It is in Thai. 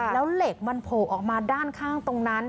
แล้วเหล็กมันโผล่ออกมาด้านข้างตรงนั้น